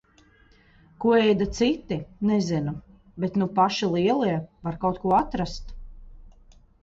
Ko ēda citi -–nezinu, bet nu paši lielie, var kaut ko atrast.